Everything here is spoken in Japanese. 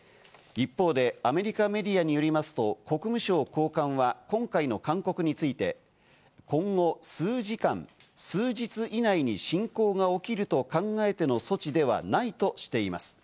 一方で、アメリカメディアによりますと国務省高官は今回の勧告について今後、数時間、数日以内に侵攻が起きると考えての措置ではないとしています。